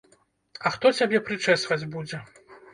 А хто цябе прычэсваць будзе?